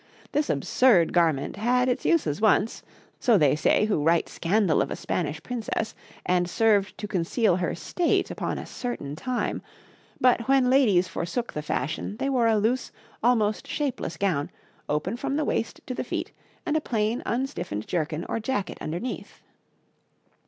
This absurd garment had its uses once so they say who write scandal of a Spanish Princess, and served to conceal her state upon a certain time; but when ladies forsook the fashion, they wore a loose, almost shapeless, gown, open from the waist to the feet, and a plain, unstiffened jerkin or jacket underneath.